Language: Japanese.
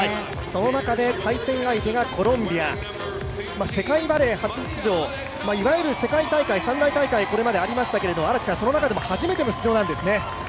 その中で、対戦相手がコロンビア、世界バレー初出場。いわゆる世界大会、三大大会これまでありましたけどその中でも初めての出場なんですね。